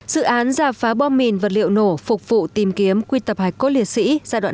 dự án giả phá bom mìn vật liệu nổ phục vụ tìm kiếm quy tập hải cốt liệt sĩ giai đoạn hai